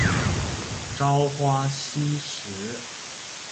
朝花夕拾